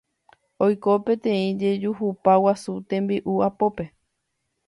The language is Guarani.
Oiko peteĩ jejuhupa guasu tembi'u apópe